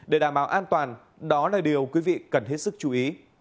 để đảm bảo an toàn đó là điều quý vị cần hết sức chú ý